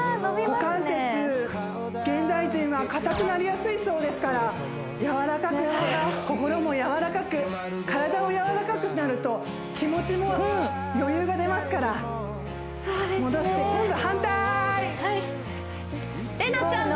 股関節現代人は硬くなりやすいそうですからやわらかくして心もやわらかく体がやわらかくなると気持ちも余裕が出ますからそうですね戻して今度反対すごい伸びます玲奈ちゃん